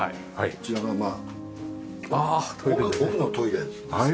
こちらがまあ奥のトイレですね。